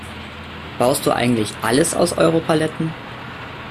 Baust du eigentlich alles aus Europaletten?